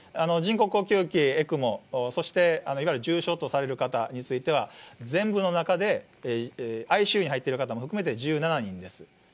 人工呼吸器、ＥＣＭＯ、そしていわゆる重症とされる方については、全部の中でＩＣＵに入ってる方も含めて１７人です。